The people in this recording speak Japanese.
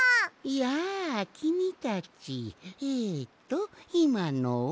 やあきみたちえっといまのは？